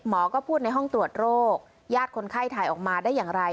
ก็พูดในห้องตรวจโรคญาติคนไข้ถ่ายออกมาได้อย่างไร